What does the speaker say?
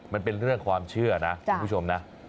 มันเป็นเรื่องความเชื่อนะคุณผู้ชมนะ